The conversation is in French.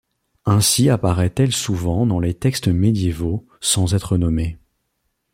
Ainsi apparaît-elle souvent dans les textes médiévaux sans être nommée.